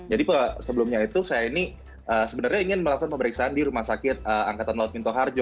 jadi sebelumnya itu saya ini sebenarnya ingin melakukan pemeriksaan di rumah sakit angkatan laut minto harjo